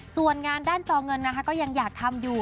ส่วนงานด้านจอเงินนะคะก็ยังอยากทำอยู่